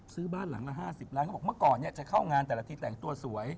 ซื้อบ้านหลังละ๕๐ล้านเขาบอกเมื่อก่อนจะเข้างานแต่ละทีแต่งตัวสวย